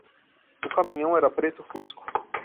O caminhão era preto fusco.